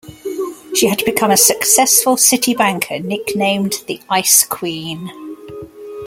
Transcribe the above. She had become a successful city banker nicknamed The Ice Queen.